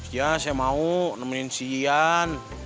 iya saya mau nemenin si ian